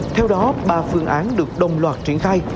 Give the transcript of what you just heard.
theo đó ba phương án được đồng loạt triển khai